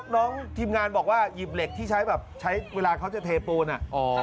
ทีมงานบอกว่าหยิบเหล็กที่ใช้แบบใช้เวลาเขาจะเทปูน